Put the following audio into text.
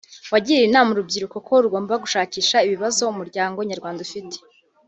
wagiriye inama urubyiruko ko rugomba gushakisha ibibazo umuryango nyarwanda ufite